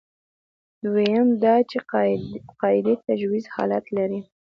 دویم دا چې قاعدې تجویزي حالت لري.